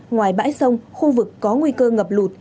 ngoài bãi sông khu vực có nguy cơ ngập lụt